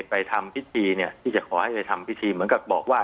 ไปทำพิธีเนี่ยที่จะขอให้ไปทำพิธีเหมือนกับบอกว่า